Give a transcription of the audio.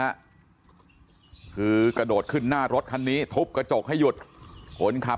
ฮะคือกระโดดขึ้นหน้ารถคันนี้ทุบกระจกให้หยุดคนขับ